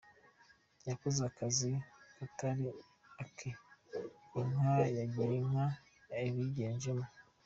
Yakoze akazi katari ake inka ya Girinka ibigenderamo